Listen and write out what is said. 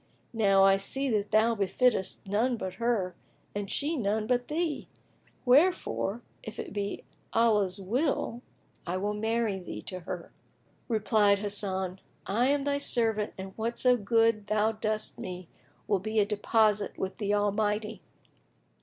Now I see that thou befittest none but her and she none but thee; wherefore, if it be Allah's will, I will marry thee to her." Replied Hasan, "I am thy servant and whatso good thou dost with me will be a deposit with the Almighty!"